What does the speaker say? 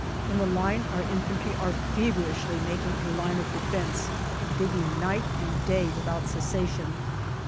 In the line our infantry are feverishly making a line of defence, digging night and day without cessation.